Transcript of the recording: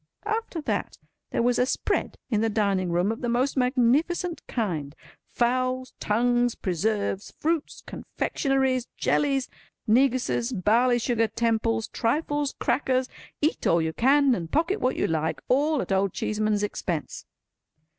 After that, there was a spread in the dining room of the most magnificent kind. Fowls, tongues, preserves, fruits, confectionaries, jellies, neguses, barley sugar temples, trifles, crackers—eat all you can and pocket what you like—all at Old Cheeseman's expense.